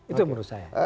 itu menurut saya